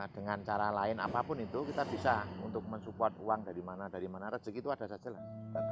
dengan cara lain apapun itu kita bisa untuk mensupport uang dari mana dari mana rezeki itu ada saja lah